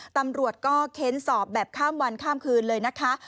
ตำรวจก็เค้นสอบแบบข้ามวันข้ามคืนเลยนะคะ